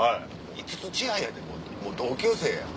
５つ違いやでもう同級生やん。